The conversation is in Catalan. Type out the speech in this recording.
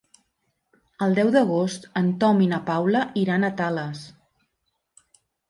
El deu d'agost en Tom i na Paula iran a Tales.